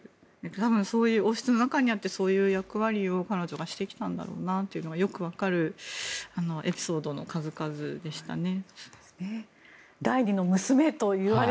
多分、王室の中にあってそういう役割を彼女がしてきたんだろうなというのがよく分かるエピソードの数々でしたね。